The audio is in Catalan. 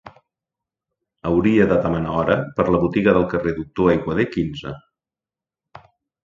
Hauria de demanar hora per la botiga del carrer doctor aiguader quinze.